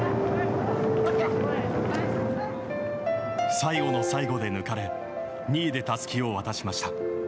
最後の最後で抜かれ２位でたすきを渡しました。